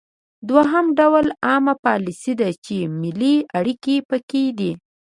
دوهم ډول عامه پالیسي ده چې ملي اړیکې پکې دي